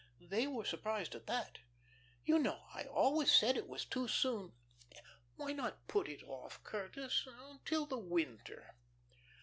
They were surprised at that. You know I always said it was too soon. Why not put it off, Curtis until the winter?"